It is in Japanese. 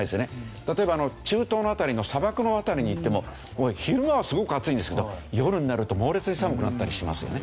例えば中東の辺りの砂漠の辺りに行っても昼間はすごく暑いんですけど夜になると猛烈に寒くなったりしますよね。